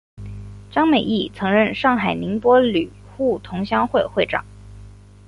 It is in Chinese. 张美翊曾任上海宁波旅沪同乡会会长。